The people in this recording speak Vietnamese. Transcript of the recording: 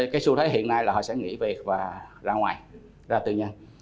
cái xu thế hiện nay là họ sẽ nghỉ việc và ra ngoài ra tự nhiên